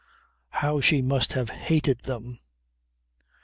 How she must have hated them!